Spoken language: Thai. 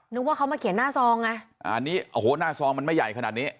นึกว่าเขามาเขียนหน้าซองไงอันนี้โอ้โหหน้าซองมันไม่ใหญ่ขนาดนี้